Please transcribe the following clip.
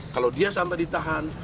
kalau dia sampai ditahan